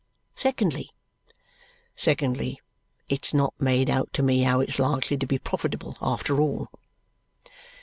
Secondly?" "Secondly, it's not made out to me how it's likely to be profitable, after all."